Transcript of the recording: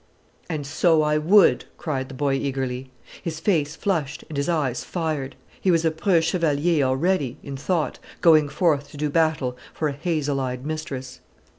"And so I would," cried the boy eagerly. His face flushed, and his eyes fired. He was a preux chevalier already, in thought, going forth to do battle for a hazel eyed mistress.